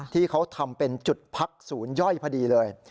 ที่เขาทำเป็นจุดพักศูนย์ย่อยพอดีเลย